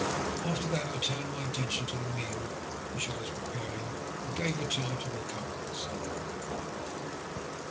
After that I turned my attention to the meal which I was preparing, and gave her time to recover herself a little.